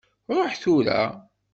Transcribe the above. Ṛuḥ tura.